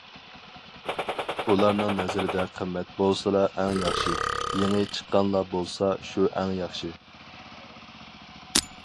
ئۇلارنىڭ نەزىرىدە قىممەت بولسىلا ئەڭ ياخشى، يېڭى چىققانلا بولسا شۇ ئەڭ ياخشى.